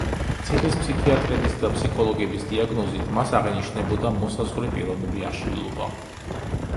ციხის ფსიქიატრების და ფსიქოლოგების დიაგნოზით მას აღენიშნებოდა მოსაზღვრე პიროვნული აშლილობა.